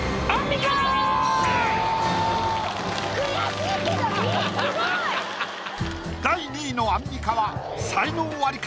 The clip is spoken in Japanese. ・すごい！・第２位のアンミカは才能アリか？